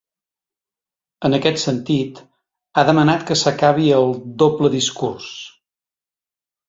En aquest sentit, ha demanat que s’acabi el ‘doble discurs’.